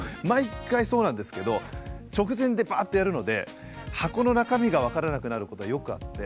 毎回そうなんですけど直前でバッとやるので箱の中身が分からなくなることはよくあって。